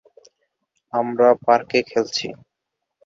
আমরা পার্কে খেলছি।